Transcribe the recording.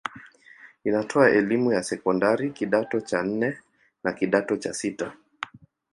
Inatoa elimu ya sekondari kidato cha nne na kidato cha sita.